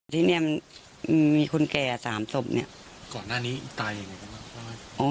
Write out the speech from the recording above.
ที่เนี่ยมีคนแก่สามศพเนี่ยก่อนหน้านี้ตายยังไงบ้าง